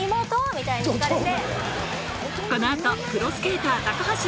みたいに聞かれて。